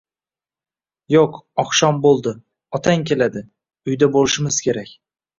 Yo'q, oqshom bo'ldi. Otang keladi, uyda bo'lishimiz kerak.